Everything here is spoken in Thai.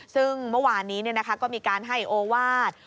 ซึ่งเมื่อวานนี้ก็มีการให้โอวาส